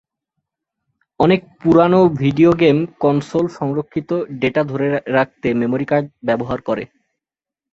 অনেক পুরানো video game console সংরক্ষিত ডেটা ধরে রাখতে মেমরি কার্ড ব্যবহার করে।